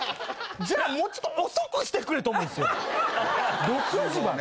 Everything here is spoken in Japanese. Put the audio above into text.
じゃあもうちょっと遅くしてくれと思うんですよ。